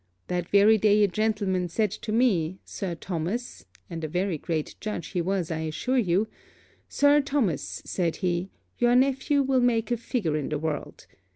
That very day a gentleman said to me, Sir Thomas, and a very great judge he was I assure you Sir Thomas, said he, your nephew will make a figure in the world.